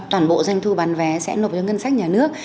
toàn bộ doanh thu bán vé sẽ nộp vào ngân sách nhà nước